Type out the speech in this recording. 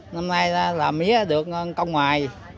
năm nay là mía được công ngoài